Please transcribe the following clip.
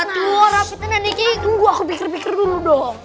nah tunggu aku pikir pikir dulu dong